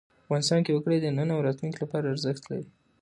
افغانستان کې وګړي د نن او راتلونکي لپاره ارزښت لري.